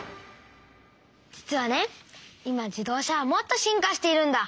実はねいま自動車はもっと進化しているんだ！